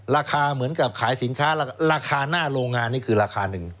ราคาเหมือนกับขายสินค้าราคาหน้าโรงงานนี่คือราคาหนึ่ง